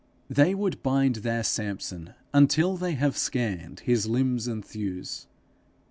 They would bind their Samson until they have scanned his limbs and thews.